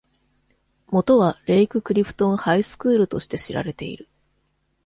もとは、「レイククリフトンハイスクール」として知られている。